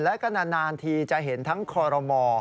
และก็นานทีจะเห็นทั้งคอรมอ